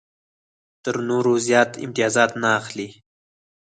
تر نورو زیات امتیازات نه اخلي.